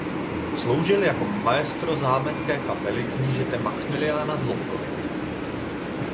Sloužil jako maestro zámecké kapely knížete Maxmiliána z Lobkovic.